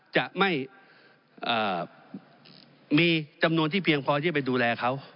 จะไม่มีจำนวนที่เพียงพอที่จะไปดูแลเขา